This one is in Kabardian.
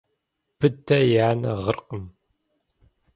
Быдэ и анэ гъыркъым.